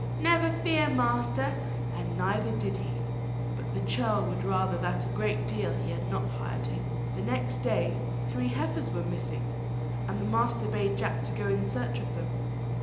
"Never fear, master!" and neither did he. But the churl would rather than a great deal he had not hired him. The next day three heifers were missing, and the master bade Jack go in search of them.